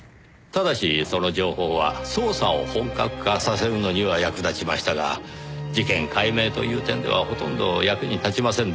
ただしその情報は捜査を本格化させるのには役立ちましたが事件解明という点ではほとんど役に立ちませんでした。